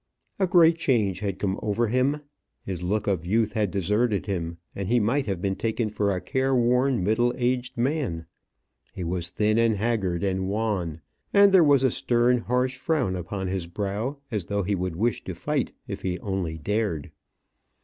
A great change had come over him. His look of youth had deserted him, and he might have been taken for a care worn, middle aged man. He was thin, and haggard, and wan; and there was a stern, harsh frown upon his brow, as though he would wish to fight if he only dared.